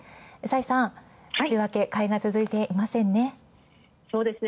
崔さん、週明け買いが続いていませんね。